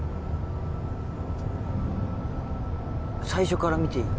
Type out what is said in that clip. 最初から見ていい？